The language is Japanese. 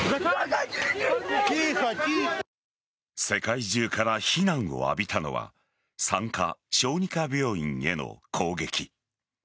世界中から非難を浴びたのは産科・小児科病院への攻撃。